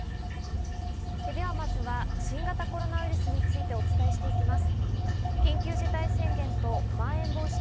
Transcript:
では、まずは新型コロナウイルスについてお伝えしていきます。